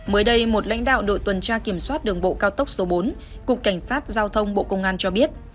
mới đây một lãnh đạo đội tuần tra kiểm soát đường bộ cao tốc số bốn cục cảnh sát giao thông bộ công an cho biết